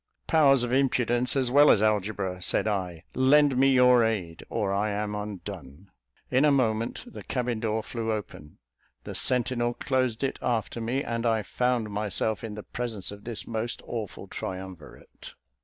"Powers of Impudence, as well as Algebra," said I, "lend me your aid, or I am undone." In a moment the cabin door flew open, the sentinel closed it after me, and I found myself in the presence of this most awful triumvirate.